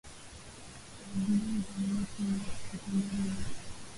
za bluu za mito ya sekondari na